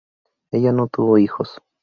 Ella no tuvo hijos.